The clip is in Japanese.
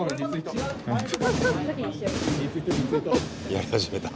やり始めた。